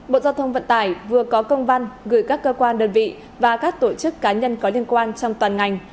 bộ giao thông vận tải vừa có công văn gửi các cơ quan đơn vị và các tổ chức cá nhân có liên quan trong toàn ngành